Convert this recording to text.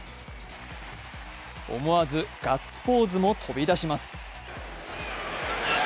思わずガッツポーズも飛び出します。